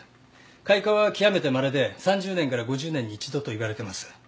開花はきわめてまれで３０年から５０年に一度と言われてます。